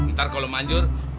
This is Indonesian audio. ntar kalau manjatuh